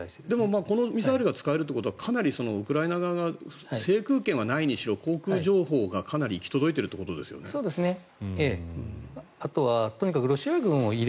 でも、このミサイルが使えるということはかなりウクライナ側が制空権はないにしろ制空情報がかなり行き届いているということですね。